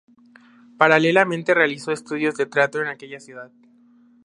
Paralelamente realizó estudios de teatro en aquella ciudad.